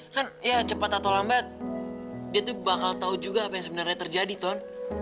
kan ya cepat atau lambat dia tuh bakal tahu juga apa yang sebenarnya terjadi ton